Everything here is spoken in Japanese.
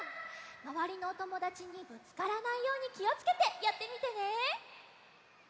まわりのおともだちにぶつからないようにきをつけてやってみてね！